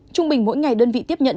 trung bình mỗi ngày đơn vị tiếp nhận